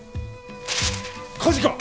火事か！？